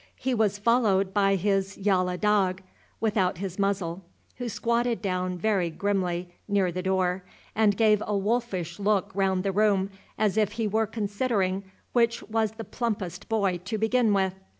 He was followed by his "yallah dog," without his muzzle, who squatted down very grimly near the door, and gave a wolfish look round the room, as if he were considering which was the plumpest boy to begin with.